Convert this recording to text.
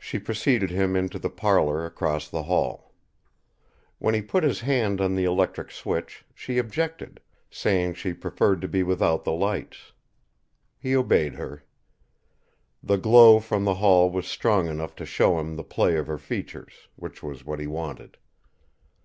She preceded him into the parlour across the hall. When he put his hand on the electric switch, she objected, saying she preferred to be without the lights. He obeyed her. The glow from the hall was strong enough to show him the play of her features which was what he wanted.